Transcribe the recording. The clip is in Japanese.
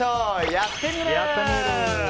「やってみる。」。